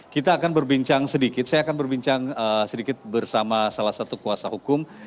kita akan berbincang sedikit saya akan berbincang sedikit bersama salah satu kuasa hukum